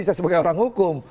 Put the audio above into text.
saya sebagai orang hukum